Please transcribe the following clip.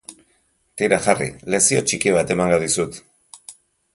Tira, Harry, lezio txiki bat emango dizut.